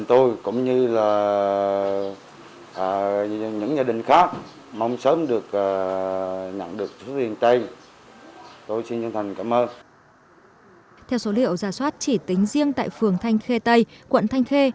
theo số liệu giả soát chỉ tính riêng tại phường thanh khê tây quận thanh khê